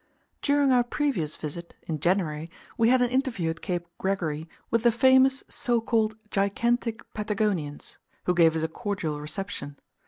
During our previous visit (in January), we had an interview at Cape Gregory with the famous so called gigantic Patagonians, who gave us a cordial reception.